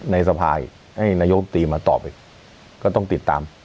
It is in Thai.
ในสภายให้นายกตรีมาตอบอีกก็ต้องติดตาม